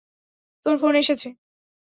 তোর ফোন এসেছে।